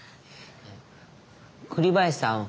栗林さん